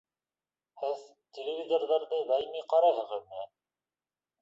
Һеҙ телевизорҙы даими ҡарайһығыҙмы?